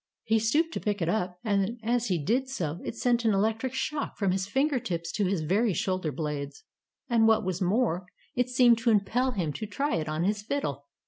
He stooped to pick it up, and as he did so it sent an electric shock from his finger tips to his very shoulder blades. And what was more, it seemed to impel him to try it on his fiddle.